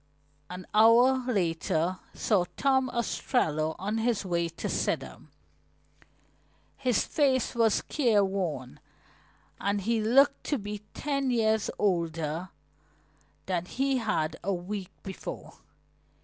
An hour later saw Tom Ostrello on his way to Sidham. His face was careworn and he looked to be ten years older than he had a week before.